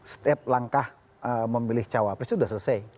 setiap langkah memilih cawapres itu sudah selesai